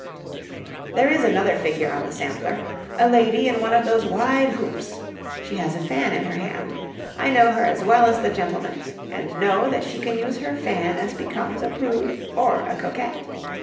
There is another figure on the sampler a lady in one of those wide hoops; she has a fan in her hand. I know her as well as the gentleman, and know that she can use her fan as becomes a prude or a coquette.